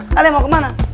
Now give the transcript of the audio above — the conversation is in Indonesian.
kalian mau kemana